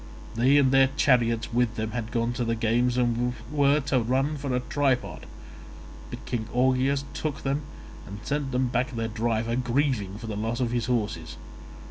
They and their chariots with them had gone to the games and were to run for a tripod, but King Augeas took them, and sent back their driver grieving for the loss of his horses.